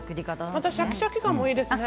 またシャキシャキ感もいいですね。